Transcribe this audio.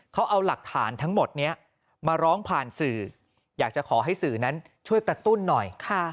เขาเอาหลักฐานทั้งหมดนี้มาร้องผ่านสื่ออยากจะขอให้สื่อนั้นช่วยกระตุ้นหน่อย